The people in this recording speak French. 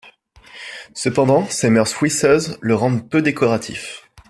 Cependant, ses mœurs fouisseuses le rendent peu décoratif...